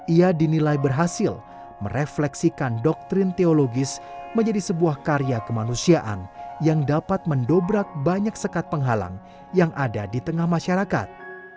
ia dinilai berhasil merefleksikan doktrin teologis menjadi sebuah karya kemanusiaan yang dapat mendobrak banyak sekat penghalang yang ada di tengah masyarakat